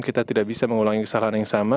kita tidak bisa mengulangi kesalahan yang sama